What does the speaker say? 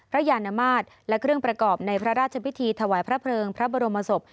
ยานมาตรและเครื่องประกอบในพระราชพิธีถวายพระเพลิงพระบรมศพ